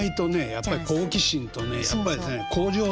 やっぱり好奇心とねやっぱりね向上心ですよ。